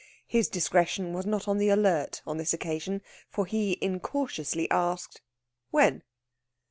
His discretion was not on the alert on this occasion, for he incautiously asked, "When?"